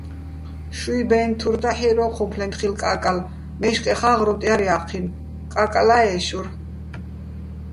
შუჲ ბე́ნ თურ დაჰ̦ირ ო́ჴუმფლეჼ თხილ, კაკალ მე́შკეხა́ ღრუტ ჲარ ჲა́ჴინო̆, კა́კალა́ ე́შურ.